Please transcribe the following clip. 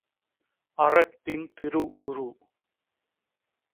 அறத்தின் திரு உரு!